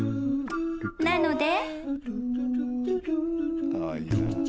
なので］